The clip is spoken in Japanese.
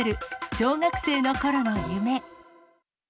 小学生のころの夢。